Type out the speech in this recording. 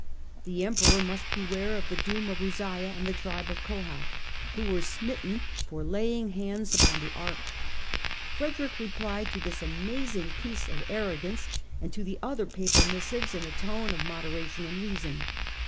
The Emperor must beware of the doom of Uzziah and the tribe of Kohath, who were smitten K 146 STUPOR MUNDI for laying hands upon the Ark. Frederick replied to this amazing piece of arrogance and to the other Papal missives in a tone of moderation and reason.